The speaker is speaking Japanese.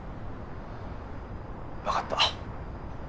わかった。